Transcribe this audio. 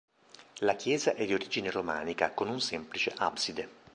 La chiesa è di origine romanica, con un semplice abside.